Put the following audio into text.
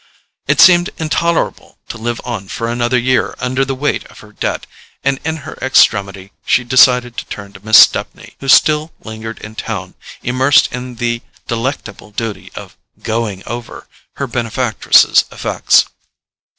It seemed intolerable to live on for another year under the weight of her debt; and in her extremity she decided to turn to Miss Stepney, who still lingered in town, immersed in the delectable duty of "going over" her benefactress's effects.